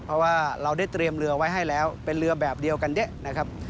เพราะว่าเราได้เตรียมเรือไว้ให้แล้วเป็นเรือแบบเดียวกันเยอะนะครับ